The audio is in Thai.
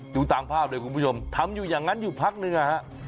ตามภาพเลยคุณผู้ชมทำอยู่อย่างนั้นอยู่พักหนึ่งนะฮะ